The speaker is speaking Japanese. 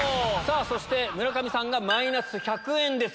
村上さんがマイナス１００円です